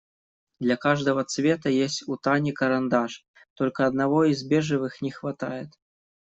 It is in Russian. Для каждого цвета есть у Тани карандаш, только одного из бежевых не хватает.